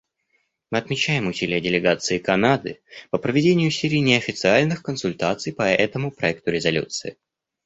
Мы отмечаем усилия делегации Канады по проведению серии неофициальных консультаций по этому проекту резолюции.